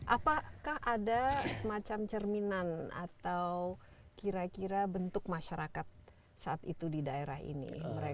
apakah ada semacam cerminan atau kira kira bentuk masyarakat saat itu di daerah ini